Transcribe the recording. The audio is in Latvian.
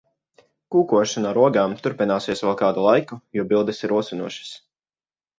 Kūkošana ar ogām turpināsies vēl kādu laiku, jo bildes ir rosinošas.